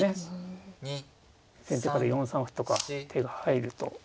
先手から４三歩とか手が入ると。